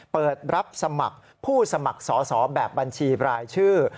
เปิดรับสมัครผู้สมัครสอสอแบบบัญชีรายชื่อ